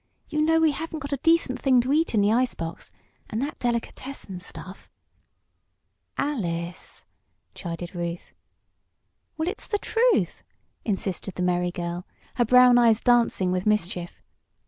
"You know we haven't got a decent thing to eat in the ice box, and that delicatessen stuff " "Alice!" chided Ruth. "Well, it's the truth!" insisted the merry girl, her brown eyes dancing with mischief.